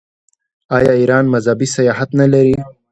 آیا ایران مذهبي سیاحت نلري؟